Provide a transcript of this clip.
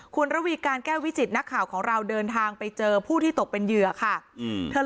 คุณระวีการแก้ววิจิตนักข่าวของเราเดินทางไปเจอผู้ที่ตกเป็นเหยื่อค่ะ